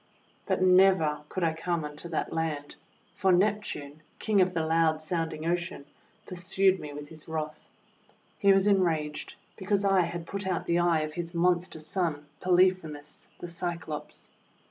But never could I come unto that land, for Neptune, King of the loud sound ing Ocean, pursued me with his wrath. He was enraged because I had put out the eye of his monster son, Polyphemus the Cyclops.